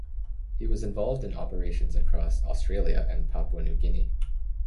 He was involved in operations across Australia and Papua New Guinea.